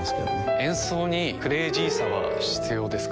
演奏にクレイジーさは必要ですか？